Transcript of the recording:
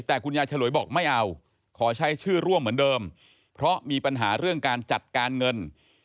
แต่คุณยายฉลวยบอกไม่เอาขอใช้ชื่อร่วมเหมือนเดิมเพราะมีปัญหาเรื่องการจัดการเงิน